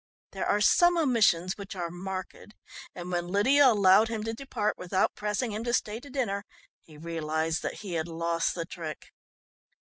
There are some omissions which are marked, and when Lydia allowed him to depart without pressing him to stay to dinner he realised that he had lost the trick.